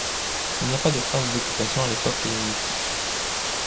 Il n’y a pas de traces d’occupation à l’époque hellénistique.